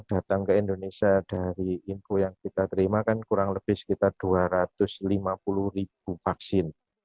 datang ke indonesia dari info yang kita terima kan kurang lebih sekitar dua ratus lima puluh ribu vaksin